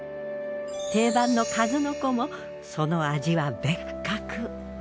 定番の数の子もその味は別格。